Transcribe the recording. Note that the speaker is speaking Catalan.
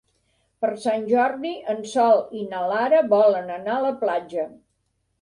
Per Sant Jordi en Sol i na Lara volen anar a la platja.